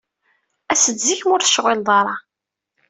As-d zik ma ur tecɣiled ara.